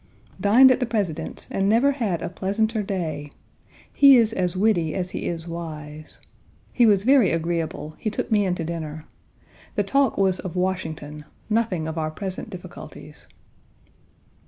Dined at the President's and never had a pleasanter day. He is as witty as he is wise. He was very agreeable; he took me in to dinner. The talk was of Washington; nothing of our present difficulties.